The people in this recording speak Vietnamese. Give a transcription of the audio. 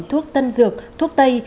thuốc tân dược thuốc tây